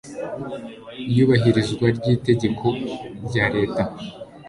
iyubahirizwa ry itegeko rya leta